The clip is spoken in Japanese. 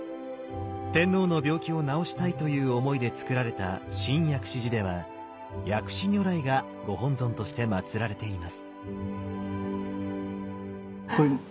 天皇の病気を治したいという思いでつくられた新薬師寺では薬師如来がご本尊としてまつられています。